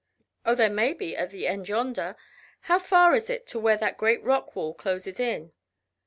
"Oh, there may be at the end yonder. How far is it to where that great rock wall closes in?"